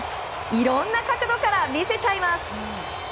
いろんな角度から見せちゃいます。